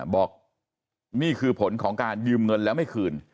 บอกนี่คือผลของการยืมเงินแล้วไม่คืน